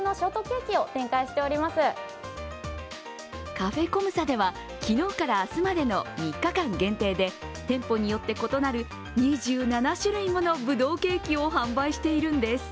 カフェコムサでは昨日から明日までの３日間限定で店舗によって異なる２７種類ものぶどうケーキを販売しているんです。